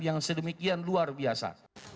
yang sedemikian luar biasa